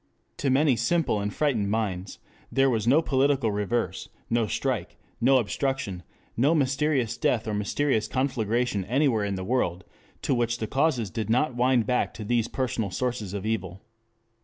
To many simple and frightened minds there was no political reverse, no strike, no obstruction, no mysterious death or mysterious conflagration anywhere in the world of which the causes did not wind back to these personal sources of evil.